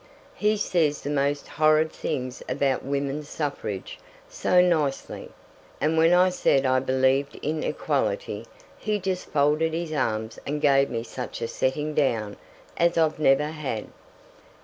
He says the most horrid things about women's suffrage so nicely, and when I said I believed in equality he just folded his arms and gave me such a setting down as I've never had.